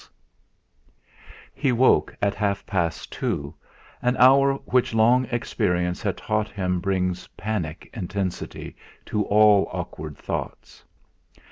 IV He woke at half past two, an hour which long experience had taught him brings panic intensity to all awkward thoughts.